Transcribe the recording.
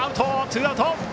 ツーアウト。